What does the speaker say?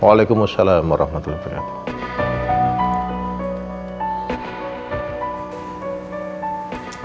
waalaikumsalam warahmatullahi wabarakatuh